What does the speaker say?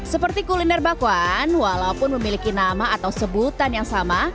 seperti kuliner bakwan walaupun memiliki nama atau sebutan yang sama